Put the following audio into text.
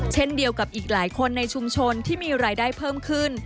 เช่นเดียวกับอีกหลายคนในชุมชนที่มีรายได้เพิ่มขึ้น